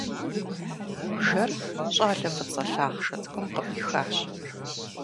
Бжэр щӀалэ фӀыцӀэ лъахъшэ цӀыкӀум къыӀуихащ.